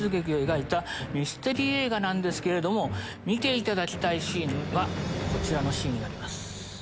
ミステリー映画なんですけれども見ていただきたいシーンはこちらのシーンになります。